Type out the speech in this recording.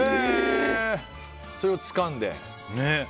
それをつかんで。